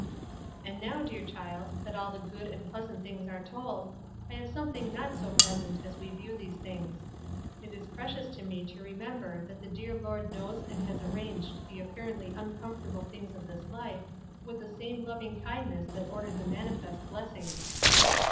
" And now, dear child, that all the good and pleasant things are told, I have something not so pleasant as we view these things. It is precious to me to remember that the dear Lord knows and has arranged the apparently uncomfortable things of this life with the same loving kindness that ordered the manifest blessings.